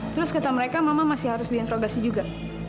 terus kata mereka mama masih harus diinterogasi juga